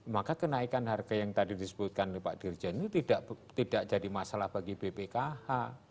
maka kenaikan harga yang tadi disebutkan oleh pak dirjen itu tidak jadi masalah bagi bpkh